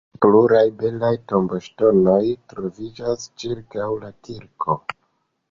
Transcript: Pluraj belaj tomboŝtonoj troviĝas ĉirkaŭ la kirko.